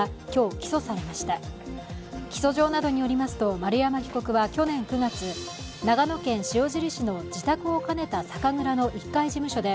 起訴状などによりますと、丸山被告は去年９月、長野県塩尻市の自宅を兼ねた酒蔵の１階事務所で